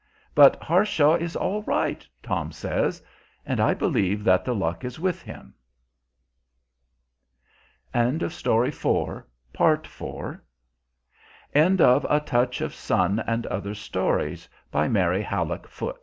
But "Harshaw is all right," Tom says; and I believe that the luck is with him. End of the Project Gutenberg EBook of A Touch Of Sun And Other Stories, by Mary Hallock Foote